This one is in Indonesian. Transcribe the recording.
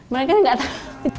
mereka nggak tahu